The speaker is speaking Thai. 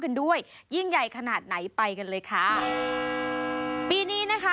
กันด้วยยิ่งใหญ่ขนาดไหนไปกันเลยค่ะปีนี้นะคะ